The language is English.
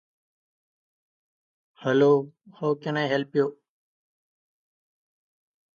"Farfalle" come in several sizes, but they all have a distinctive "bow tie" shape.